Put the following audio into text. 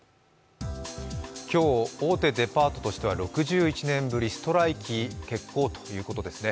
今日、大手デパートとしては６１年ぶりストライキ決行ということですね。